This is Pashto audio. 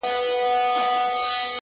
روح مي لا ورک دی” روح یې روان دی”